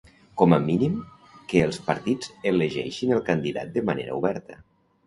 Com a mínim, que els partits elegeixin el candidat de manera oberta.